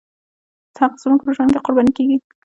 حق زموږ په ژوند کې قرباني کېږي.